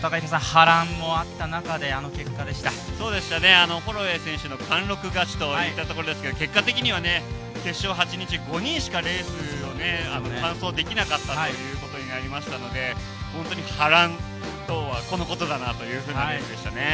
波乱もあった中で、あの結果でしたホロウェイ選手貫禄がありましたけど結果的には決勝、８人中５人しかレースを完走できなかったということになりましたので本当に波乱とは、このことだなというレースでしたね。